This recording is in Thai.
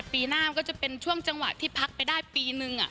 ปีหน้ามันก็จะเป็นช่วงจังหวะที่พักไปได้ปีนึง